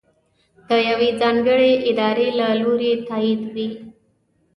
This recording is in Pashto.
د یوې ځانګړې ادارې له لورې تائید وي.